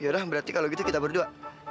yaudah berarti kalau gitu kita berdua